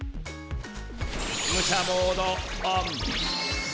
むしゃモードオン！